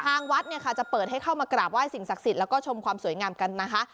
ทางวัดเนี่ยค่ะจะเปิดให้เข้ามากราบไห้สิ่งศักดิ์สิทธิ์แล้วก็ชมความสวยงามกันนะคะ